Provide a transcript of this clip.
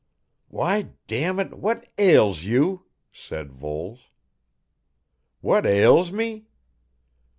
"Why d n it, what ails you?" said Voles. "What ails me?"